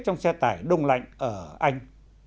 trong xe tải đông lạnh ở anh